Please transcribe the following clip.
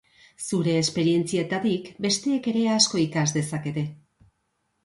Zure esperientzietatik besteek ere asko ikas dezakete.